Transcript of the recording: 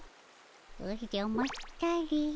おじゃまったり。